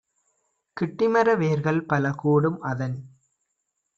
கிட்டிமர வேர்கள்பல கூடும் - அதன்